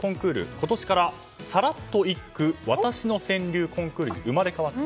今年からさらっと１句私の川柳コンクールに生まれ変わって。